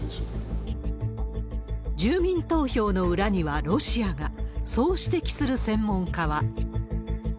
住民投票の裏にはロシアが、そう指摘する専門家は。